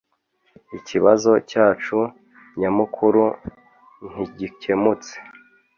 Ikibazo cyacu nyamukuru ntigikemutse